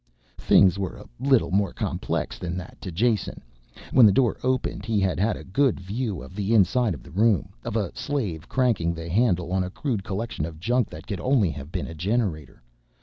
Things were a little more complex than that to Jason. When the door opened he had had a good view of the inside of the room, of a slave cranking the handle on a crude collection of junk that could only have been a generator.